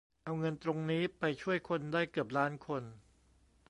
เอาเงินตรงนี้ไปช่วยคนได้เกือบล้านคน